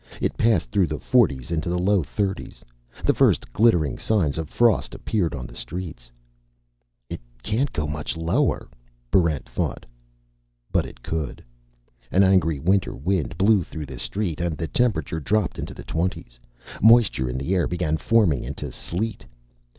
It passed through the forties into the low thirties. The first glittering signs of frost appeared on the streets. It can't go much lower, Barrent thought. But it could. An angry winter wind blew through the streets, and the temperature dropped into the twenties. Moisture in the air began forming into sleet.